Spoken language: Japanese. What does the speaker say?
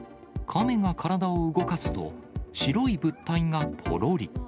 カメが体を動かすと、白い物体がぽろり。